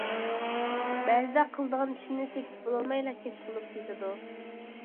بەزىدە قىلىدىغان ئىشىمنى تېپىپ بولالمايلا كەچ بولۇپ كېتىدۇ.